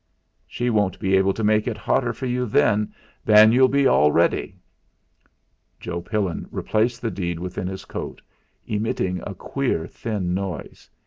"She won't be able to make it hotter for you than you'll be already." Joe Pillin replaced the deed within his coat, emitting a queer thin noise.